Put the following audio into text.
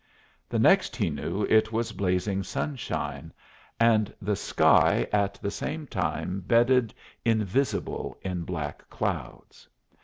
The next he knew it was blazing sunshine, and the sky at the same time bedded invisible in black clouds.